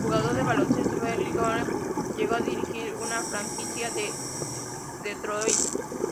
El exjugador de baloncesto Derrick Coleman llegó a dirigir una franquicia en Detroit.